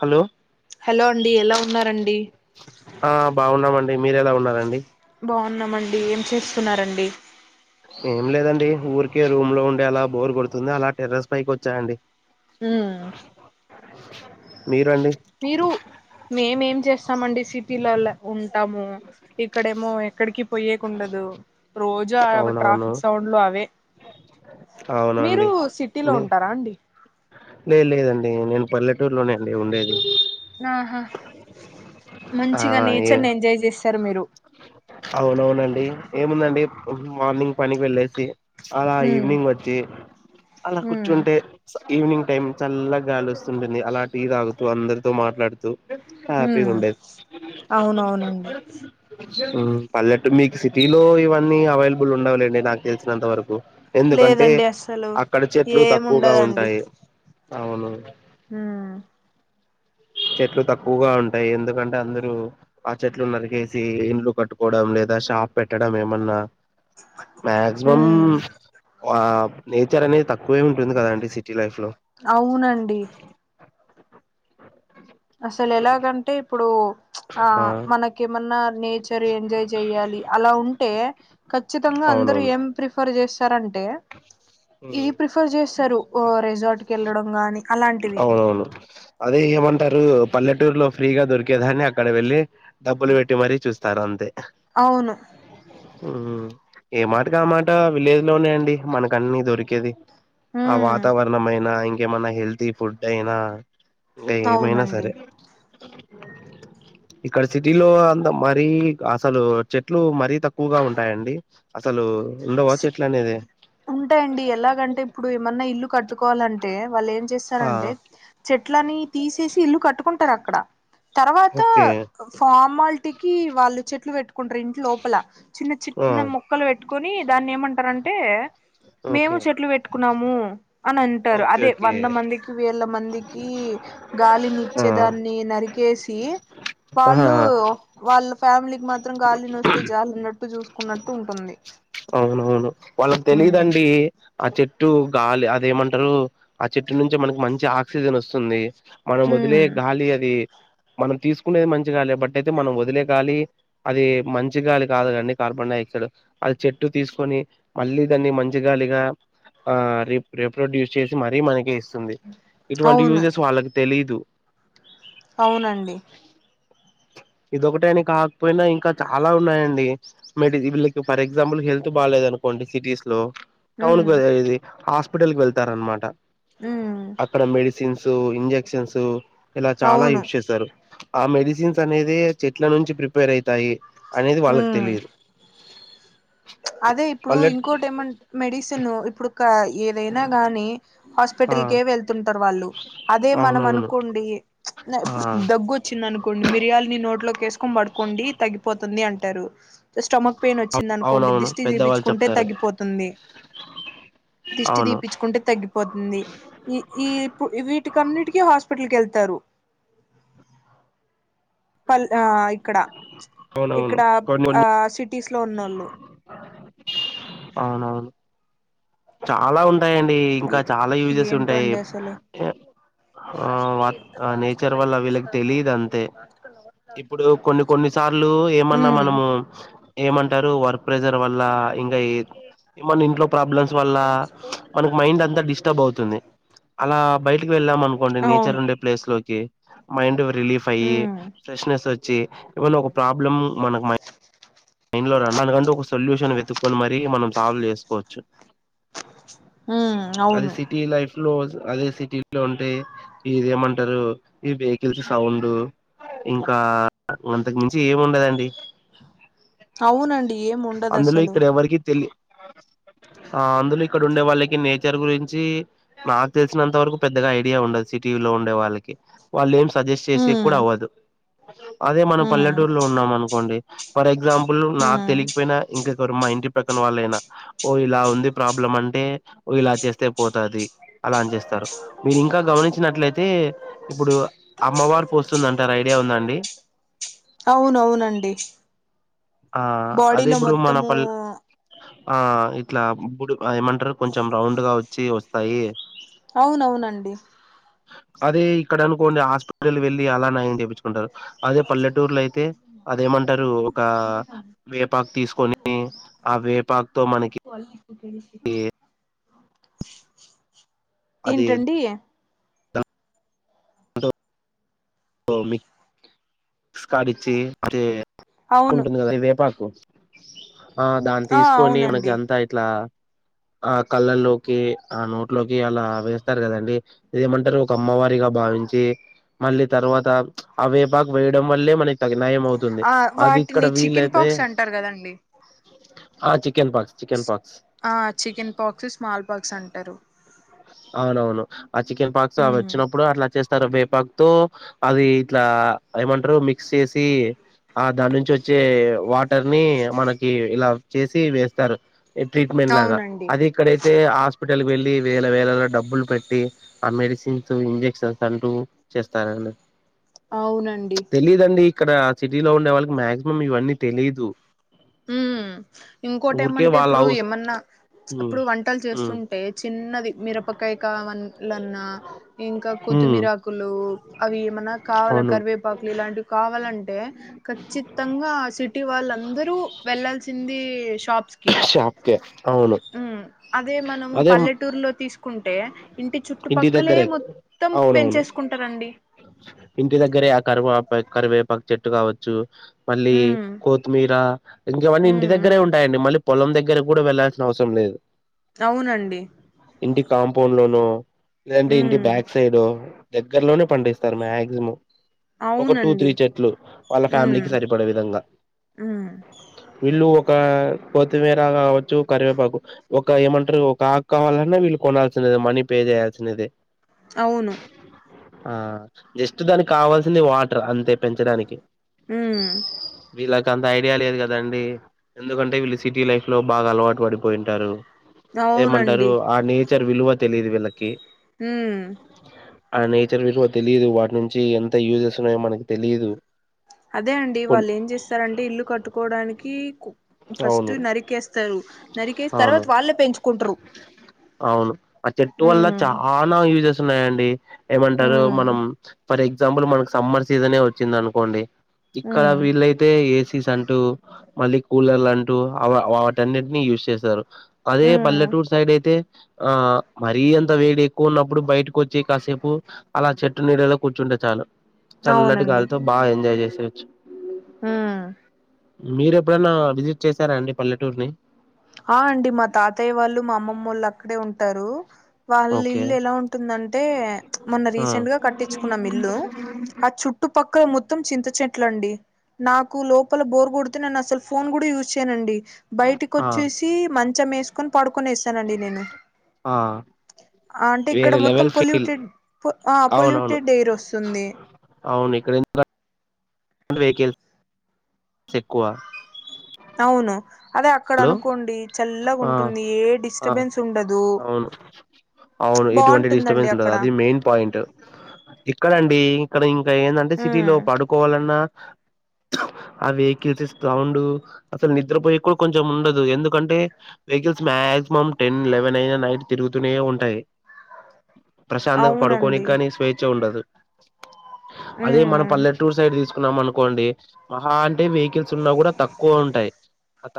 Hello hello అండి ఎలా ఉన్నారండి డి మీరెలా ఉన్నారండి బావున్నామండి ఏం చేస్తున్నారండి ఏం లేదండి ఊరికే రూమ్ లో ఉండి అలా బోర్ కొడుతుంది అలా టెర్రెస్ పైకి వచ్చా అండి ఊ మీరు అండి మేమేం చేస్తామండి సిటీ లలో ఉం టా ము ఇక్కడేమో ఎం అక్కడికి పోయేకుండదు రోజా అ అవునవును ట్రాఫిక్ సౌండ్లు అవే, మీరు అవునండి సిటీలో ఉంటారా అండి. లేదు లేదండి నేను పల్లెటూరులోనే అండి ఉండేది ఆహా మంచిగా నేచర్ ని ఎంజాయ్ చేస్తారు మీరు అవును అవునండి ఏముందండి మార్నింగ్ పనికి వెళ్ళేసి అలా మ్మ్ ఈవినింగ్ వచ్చి అలా మ్మ్ కూర్చుంటే స ఈవినింగ్ టైమ్ చల్ల గాలి వస్తుంటుంది అలా టీ తాగుతూ అందరితో మాట్లాడుతూ మ్మ్ హ్యాపీగా ఉండేది అవునవునండి మ్మ్ పల్లెట్టు మీకు సిటీలో ఇవన్నీ అవైలబుల్ ఉండవులేండి నాకు తెలిసినంత వరకు ఎందుకంటే లేదండి అస్సలు అక్కడ చెట్లు తక్కువగా ఉంటాయి అవును హుమ్ చెట్లు తక్కువగా ఉంటాయి ఎందుకంటే అందరూ ఆ చెట్లు నరికే సి ఇండ్లు కట్టుకోవడం లేదా షాప్ పెట్టడం ఏమన్నా మ్యాగ్జిమం మ్మ్ ఆ నేర్ చెరణనే తా కోవ ఉంటు ఉంది కదా అండి సిటీ లైఫ్ లో అవునండి అసలు ఎలాగంటే ఇప్పుడు ఆ మనక ఏమన్నా నేచర్ ఎంజాయ్ చేయాలి అలా ఉంటే ఖచ్చితంగా అందరు అవునవును ఏం ప్రిఫర్ చేస్తారన్ ఉమ్, ఇది ప్రిఫర్ చేస్తారు రిసార్ట్ కి వెళ్ళడం గానీ అలాంటివి అవునవును అదే ఏమంటారు పల్లెటూరులో ఫ్రీగా దొరికేదాన్ని అక్కడ వెళ్ళి డబ్బులు పెట్టి మరీ చూస్తారు అంతే అవును హు ఏ మాట కి ఆ మాట విలేజ్ లోనే అండి మనక అన్నీ దొరికేది ఆ ఉమ్ వాతావరణమయినా ఇన్ ఏమన్నా హెల్తీ ఫుడ్ అయినా ఏమైనా అవునండి సరే ఇక్కడ సిటీ లో అంత మరీ అసలు చెట్లు మరీ తక్ క్కువగా ఉంటాయండి అసలు ఉండవా చెట్లు అనేది ఉంటాయంండి ఎలాగంటే ఇప్పుడు ఏమన్నా ఇల్లు కట్టుకోవాలంటే వాళ్ళు ఏం చేస్ ఆ స్తారంటే చెట్లని తీసేసి ఇల్లు కట్ పట్టుకుంటారు అక్కడ తర్వాత ఓకే ఫామ్ అమ్మాల్టికి వాళ్ళు చెట్లు పెట్టుకుంటరు ఇంటి లోపల చిన్న ఆ చిన్న మొక్కలు పెట్టుకొని మంటారంటే మేము ఓకే చెట్లు పెట్టుకున్నాము అని అంటారు. ఓకే అదే ఓకే వంద మందికి వేల మందికి, గాలిని ఆ ఇచ్చేదాన్ని నరికేసి, ఆహా వాళ్ళు వాళ్ళ ఫ్యామిలీకి మాత్రం గాలిని వస్తే జాలినట్టు చూసుకున్నట్టు ఉంటుంది అవును వాళ్ళకి తెలిద్ దండి ఆ చెట్ చెట్టు గాలి అదేమంటారు ఆ చెట్టు నుంచి మనకి మంచి ఆక్సిజన్ వస్తుంది మనం వదిలే ఉమ్ గాలి అది మనం తీసుకునేది మంచిగాలి బట్ అయితే, మనం వదిలే గాలి అది మంచి గాలి కాదు కానీ కార్బన్ డైఆక్సైడ్ అది చెట్టు తీసుకొని మళ్ళీ దాన్ని మంన్ చి గాలిగా ఆ ర రీప్రొడ్యూస్ చేసి మరీ మనకి ఇస్ టుది ఇటువంటి అవును యూజెస్ వాళ్ళ క్ తెలియదు అవునండి ఇదిొకటేని కాకపోయినా ఇంకా చాలా ఉన్నాయంండి, మె వీళ్ళకి ఫర్ ఎగ్జాంపుల్ హెల్త్ బాగాలేదు అనుకోండి సిటీస్ లో టౌన్ ఉమ్ కద ఇది హాస్ క్యాపిటల్కి వెళ్తారనమాట ఉమ్ అక్కడ మెడిసిన్సు ఇంజెక్షన్సు ఇలా చాలా అవును యూజ్ చేశారు ఆ మెడిసిన్స్ అనేది దే చెట్ల నుంచి ప్రిపేర్ అయితాయి అనేది వాళ్ళకి ఉమ్ తెలిదు అదే ఇప్పుడు ఇంకోటి ఏమ మెడిసిన్ ఇప్పుడు ప ఏదైనా గానీ ఆ హాస్పిటల్కే వెళ్తుంటారు వాళ్ళు అదే మనం అవునవును అనుకోండి ఆ ఇప్పుడు దగ్గు వచ్చిందనుకోండి మిరియాలని నోట్లోకి ఎసుకొని పడుకోండి తగ్గిపోతుంది అం అట్టారు స్టమక్ పెయిన్ వచ్చిందను కొండి అవునవును దిష్టి పెద్దవాళ్ళు దీపించుకుంటే చెప్తారు తగ్గిపోతుంది దిష్టి అవును దీపించుకుంటే తగ్గిపోతుంది ఈ ఈప్పు ఇవీటి కన్నిటికి హాస్పిటల్ కేళ్తు తరు పల్ ఆ ఇక్కడ అవునవును ఇక్కడ కొన్ని ఆ కొన్ని సిటీస్ లో ఉన్నోళ్ళు అవునవును చాలా ఉం ఉంటాయండి ఇంకా ఏ చాలా యూజెస్ ఏంటో ఉంటాయి అండి అసలు ఆ వా నేచర్ వల్ల వీళ్ళకి తెలిదు అంతే ఇప్పుడు కొన్ని కొన్ని సార్లు ఏమన్నా ఉమ్ మనము ఏమంటారు వర్క్ ప్రెజర్ వల్ల ఇంకా ఏమన్నా ఇంట్లో ప్రాబ్లమ్స్ వల్ల మనకి మైండ్ అంతా డిస్టర్బ్ అవుతుంది అలా బయటకి వెళ్ళాం అనుకోండి అవును నేచర్ ఉండే ప్లేస్ లోకి ఎ మైండ్ రిలీఫ్ అయ్యి ఉమ్ ఫ్రెష్ నెస్ అ చ్చి ఏమన్నా ఒక ప్రాబ్లం మనకు మై ఇదిగోర నాన్న రెండో కూసు సొల్యూషన్ వెతుకొని మరి మనం సాల్వ్ చేసుకోవచ్చు ఉమ్ అది అవును సిటీ లైఫ్ క్లోజ్ అదే సిటీ లో ఉంటే ఇదేమంటారు ఈ వెహికిల్స్ సౌండ్ ఇంకా అంతకు మించి ఏం ఉండదండి అవునండి ఏం ఉండదు అందులో అసలు ఇక్కడ ఎవరికి తెలి ఆ అందులో ఇక్కడ ఉండే వాళ్ళకి నేచర్ గురించి నాకు తెలిసినంత వరకు పెద్దగా ఐడియా ఉండదు సిటీ లో ఉండే వాళ్ళకి వాళ్ళు ఏం సజెస్ట్ చేసే ఉమ్ కూడా అవ్వదు అదే మనం ఉమ్ పల్లెటూరులో ఉన్నాం అనుకోండి ఫర్ ఎగ్జాం పుల్ మా ఉమ్ తెలిక్ పోయినా ఇంకా వారు మా ఇంటి పక్కన వాళ్ళయినా ఓ ఇలా ఉంది ప్రాబ్లం అంటే ఇలా చేస్తే పోతది అలా అని చేస్తారు మీరింకా గమనించినట్లయితే ఇప్పుడు అమ్మవారు పోస్తుంది అంటారు ఐడియా ఉందా అండి అవునవునండి ఆ అదే బాడీలో ఇప్పుడు మన మొత్తము పల్ ఆ ఇట్లా బుడ్ ఆ ఏమంటరు కొంచెం రౌండ్గా వచ్చి వస్తాయి అవునవునండి. అదే ఇక్కడ అనుకోండి హాస్పిటల్ వెళ్ళి అలా నయం చేపిచ్చుకుంటారు. అదే పల్లెటూర్లయితే అదేమంటరు ఒకా వేపాక్ తీసుకొని ఆ వేపాకుతో మనకి తెలిసినో ఓ అది ఏంటండి మా మమ్మీ స్కడిచి అరే అవును ఉంటుంది కదా ఈ వేపాకు ఆ దాన్ని ఆ తీస్కొని మనకి అవునండి అంతా ఇట్ల ఆ కళ్ళల్లోకి ఆ నోట్లోకి అలా వేస్తారు కదండి ఇదేమంటరు ఒక అమ్మవారిగా భావించి మళ్ళీ తర్వాత ఆ వేపాకు వేయడం వల్లే మనకి తగ ఆ వాటిని చికెన్ పాక్స్ అంటారు కదండి. ఆ చి ఆ చికెన్ పాక్స్ స్మాల్ పాక్స్ అంటారు. అవునవును. ఆ చికెన్ పాక్స్ అవి ఉమ్ వచ్చినప్పుడు అట్ల చేస్ వస్తారు వేపాక్తో అది ఇట్లా ఏమంటరు మిక్స్ చేసి ఆ దాని నుంచి వచ్చే వాటర్ని మనకి ఇలా చేసి వేస్తారు. ట్రీట్మెంట్ లాగా అవునండి అది అయితే హస్ హాస్పిటల్ వెళ్ళి వేల వేలలో డబ్బులు పెట్టి ఆ మెడిసిన్స్, ఇంజెక్షన్స్ అంటూ చేస్తారండి. అవునండి. తెలీదండి ఇక్కడ ఆ సిటీలో ఉండే వాళ్ళకి మాక్సిమం ఇవన్నీ తెలీదు. మ్ ఇంకోటి ఊరికే ఏమంటే వాళ్ళ ఇప్పుడు హౌస్ ఏమన్న ఉమ్ ఇప్పుడు వంటలు ఉమ్ చేస్తుంటే చిన్నది మిరపకాయ కాయ్ కారంలన్న ఇంకా ఉమ్ కొత్తిమీరాకులు అవి ఏమన్నా కావాల అవును కరివేపాకులు ఇలాంటివి కావాలంటే ఖచ్చితంగా సిటీ వాళ్ళందరూ వెళ్లాల్సింది షాప్స్ కి ఓకే అవును ఉమ్ అదే మనము అదే పల్లెటూరులో తీసుకుంటే ఇంటి ఇంటి చుట్టుపక్కలే దగ్గరే మొత్తం అవునవును పెంచేసుకుంటారండి ఇంటి దగ్గరే ఆ కరువా కరివేపాకు చెట్టు కావచ్చు మళ్ళీ ఉమ్ కొత్తిమీర ఇంకవన్నీ ఇంటి ఉమ్ దగ్గరే ఉమ్ ఉంటాయండి మళ్ళీ పొలం దగ్గర కూడా వెళ్ళాల్సిన అవసరం లేదు అవునండి ఇంటి కాంపౌండ్ లోనూ లేదంటే ఇంటి ఉమ్ బ్యాక్ సైడ్ దగ్గరలోనే పండిస్తారు మాక్సిమం ఒక టూ త్రీ అవునండి చెట్లు వాళ్ళ ఫ్యామిలీకి ఉమ్ సరిపడే విధంగా ఉమ్ వీళ్ళు ఒక ఒక కొత్తిమీర కావచ్చు కరివేపాకు ఒక ఏమంటారు ఒక ఆక్కవాలన్నా వీళ్ళు కొనాల్సినది మనీ పే చేయాల్సినది అవును ఆ జస్ట్ దానికి కావాల్సింది వాటర్ అంతే పెంచడానికి ఉమ్ వీళ్ళకి అంత ఐ ఐడియా లేదు కదాండి ఎందుకంటే వీళ్ళు సిటీ లైఫ్ లో బాగా అలవాటు పడిపోయింటారు ఏమంటారు అవునండి ఆ నీటి చ్చ విలువ తెలియదు వీళ్ళకి హ ఆ నేచర్ విరువా తెలియదు వాటి నుంచి ఎంత యూజెస్ ఉన్నాయో మనకి తెలిదు అదే అండి వాళ్ళు ఏం చేస్తారంటే ఇల్లు కట్టుకోడానికి ఫస్ట్ అవును నరికేస్తారు నరికేసి అవును తర్వాత వాళ్ళే పెంచుకుంటారు అవును ఆ చెట్టు వల్ల ఉమ్ చాలానా యూజ సన్నాయండి ఏమంటారు ఉమ్ మనం ఫర్ ఎగ్జాంపుల్ మనకు సమ్మర్ సీజనే వచ్చింది అనుకోండి ఇక్కడ ఉమ్ వీళ్ళయితే ఏ అంటూ మళ్ళీ కూలర్లు అంటూ వాటనిట్టి యూజ్ చేస్తారు అదే ఉమ్ పల్లెటూరు సైడ్ అయితే ఆ మరీ అంత వేడి ఎక్కువ ఉన్నప్పుడు బయటకు వచ్చి కాసేపు అలా చెట్టు నీడలో కూర్చుంటే చాలు చల్లటి అవునండి గాలి తో బాగా ఎంజాయ్ చేసేవచ్చు ఉమ్ మీరు ఎప్పుడైనా విజిట్ చేశారా అండి పల్లెటూర్ని ఆ అండి మా తాతయ్య వాళ్ళు, మా అమ్మమ్మోళ్ళు అక్కడే ఉంటారూ. వాళ్ళ ఓకే ఇల్లు ఎలా ఉంటుందంటే, ప్చ్ మొన్న ఆ రీసెంట్ గ కట్టిచ్చుకున్నాం ఇల్లూ. ఆ చుట్టుపక్ క్క మొత్తం చింత చెట్ల అండీ. నాకు లోపల బోర్ కొతే నేను అసల్ ఫోన్ కూడా యూస్ చేయనుండి. బయటి ఆ చూసీ మం చ్చం ఏసుకొన్ పడుకొనేసానండి నేను. ఆ ఆ అంటే ఇక్కడ వేరే మొత్తం లెవెల్ ఫీల్ పొల్యూటెడ్. ఆ అవునవును పొల్యూటెడ్ ఎయిర్ వస్తుందీ. అవును ఇక్కడ [inaudible] అండ్ వెహికిల్ చెక్కువా అవును అదే అక్కడ హలో అనుకోండి చల్లగా ఆ ఉంటుంది ఏ ఆ డిస్టర్బెన్స్ ఉండదు అవును అవును ఎటువంటి బాగుంటుందండి డిస్టబెన్స్ ఉండదు. అక్కడ అది మెయిన్ పాయింట్. ఇక్కడండి [unintelligible] కా ఏందంటే సిటీలో హ్మ్. పడుకోవాలన్నా ఆ వెహకిల్స్ సౌండూ అసలు నిద్రపోయి కూడ కొంచం ఉండదు ఎందుకంటే, vehicles maximum ten eleven అయినా నైట్ తిరుగుతూనే ఉంటాయి. ప్రశాంతంగా పడుకోనిక్ అవునండి కానీ స్వేచ్ఛ ఉండదు. అదే మన ఉమ్ పల్లెటూరు సైడ్ తీసుకున్నాం అనుకోండి. మహా అంటే వెహికిల్స్ ఉన్నా గూడా తక్కువ ఉంటాయి.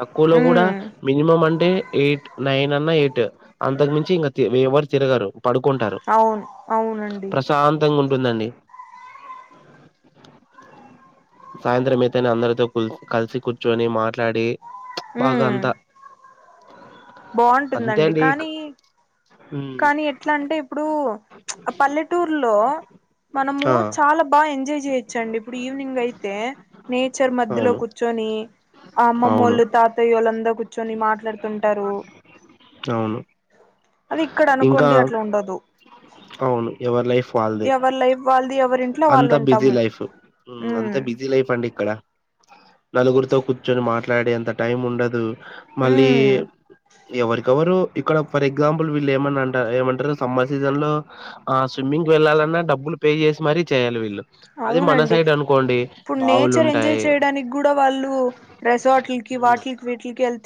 తక్కువలో గూడా ఉమ్ మినిమం అం టే ఎయిట్ నైన్ అన్నా ఎయిట. అంతకు మించి ఇంగ తి ఎవరు తిరగరు. పడుకుంటారు. అవును అవునండి ప్రశాంతంగా ఉం ఉందండి. సాయంత్రం అయితనే అందరితో కుల్ కలిసి కూర్చొనీ మాట్లాడీ. బాగా ఉమ్ అంతా. అంతే బాగుంటుందండి. అండి ఇక కానీ ఉమ్, కానీ ఎట్లా అంటే ఇప్పుడూ ప్చ్ ఆ పల్లెటూరులో మనమూ ఆ చాలా బాగా ఎంజాయ్ చేయొచ్చు అండి. ఇప్పుడు ఈవినింగ్ అయితే, నేచర్ మధ్యలో అవును కూర్చొనీ ఆ అవును అమ్మమ్మోళ్ళు తాతయ్య ఓళ్ళందరు కూర్చొని మాట్లాడుతుంటారూ. అవును అది ఇక్కడ ఇంకా అనుకోండి అట్లా ఉండదు. అవును ఎవర్ లైఫ్ ఎవర్ లైఫ్ వాళ్ది. అంతా బిజీ లైఫ్. మ్మ్ ఉమ్ అంతా బిజీ లైఫ్ అండి ఇక్కడా. నలుగురితో కూర్చొని మాట్లాడే అంత టైం ఉండదూ. మళ్ళీ ఉమ్ ఎవరికి ఎవరూ. ఇక్కడ ఫర్ ఎగ్జాంపుల్ వీళ్ళు ఏమంట ఏమంటారు. సమ్మర్ సీజన్ లో ఆ స్విమ్మింగ్ వెళ్ళాలన్నా డబ్బులు పే చే మరి చేయాల వీళ్ళు. అవునండి అనుకోండి ఇప్పుడు నేచర్ బావులుంటాయి. ఎంజాయ్ చేయడానికి కూడా వాళ్ళు రెసార్ట్లకి వాటిలకి వీటిలకి వెళ్త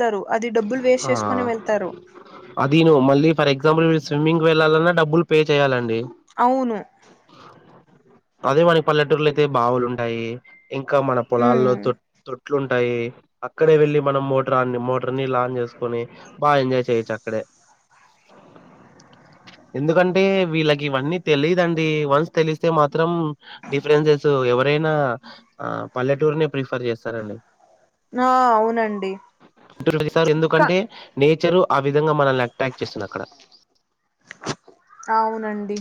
అదిను మళ్ళీ ఫర్ ఎగ్జాంపుల్ స్విమ్మింగ్ వెళ్లాలన్నా డబ్బులు పే చేయాలండి. అవును. అదే మన పల్లెటూరులో అయితే బావులు ఉంటాయి. ఇంకా మన పొలాల్లో ఉమ్ తో తో ట్టి ఎట్లుంటాయి అక్కడే వెళ్ళి మనం మోటార్ అన్ని మోటార్నీల్ ఆన్ చేసుకొని బా ఎంజాయ్ చేయొచ్చు అక్కడే ఎందుకం అంటే వీళ్ళకి ఇవన్నీ తెలీదండి. వన్స్ తెలిస్తే మాత్రం డిఫరెన్సెస్ ఎవరైనా పల్లెటూరునే ప్రిఫర్ చేస్తారండి. ఆ అవునండి. ప్రతిసారి కా ఎందుకంటే నే వచ్చారు ఆ విధంగా మనల్ని అక్టక్ చేస్తున్నా అక్కడ అవునండి.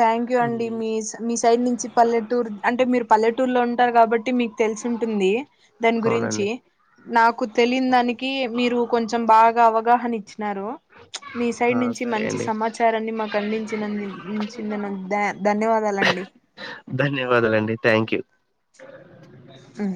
థ్యాంక్ యూ అండి హ్మ్. మీస్ మిస్స్ చైన్ నుంచి పల్లెటూర్ అంటే మీరు పల్లెటూర్ లో ఉంటారు కాబట్టి మీకు తెలిసింట్టుంది. దాని గురించి అవునండి. నాకు తెలియని దానికి మీరు కొంచెం బాగా అవగాహన ఇచ్చి ఉన్నారు మీ ఆ! సైడ్ నుంచి సరే మంచి అండి. సమాచారాన్ని మాకు అందించినందు నన్న ధ ధన్యవాదాలండి ధన్యవాదాలండి. Thank you. హ